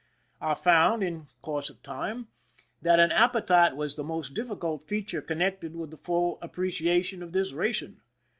I found, in course of time, that an appetite was the most difficult feature connected with the full appreciation of this ration.